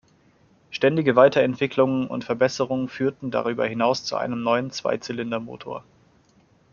Ständige Weiterentwicklungen und Verbesserungen führten darüber hinaus zu einem neuen Zweizylindermotor.